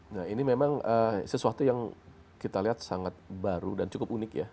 nah ini memang sesuatu yang kita lihat sangat baru dan cukup unik ya